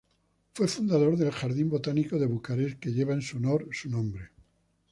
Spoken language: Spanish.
Fue fundador del Jardín botánico de Bucarest que lleva en su honor su nombre.